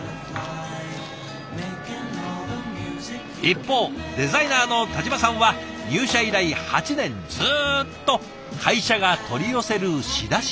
一方デザイナーの田嶋さんは入社以来８年ずっと会社が取り寄せる仕出し弁当。